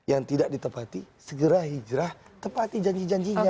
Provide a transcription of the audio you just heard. di dua ribu empat belas yang tidak ditepati segera hijrah tepati janji janjinya